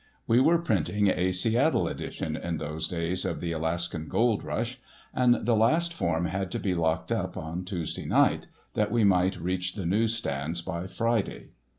We were printing a Seattle edition in those days of the Alaskan gold rush; and the last form had to be locked up on Tuesday night, that we might reach the news stands by Friday.